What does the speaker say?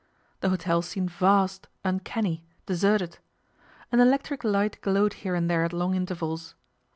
The hotel seemed vast, uncanny, deserted. An electric light glowed here and there at long intervals.